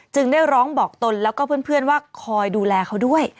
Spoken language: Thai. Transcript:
ได้ร้องบอกตนแล้วก็เพื่อนว่าคอยดูแลเขาด้วย